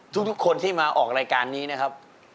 ทุกคนที่มาออกรายการนี้นะครับ